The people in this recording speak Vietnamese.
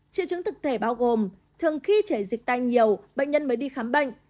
triệu chứng thực thể bao gồm thường khi chảy dịch tai nhiều bệnh nhân mới đi khám bệnh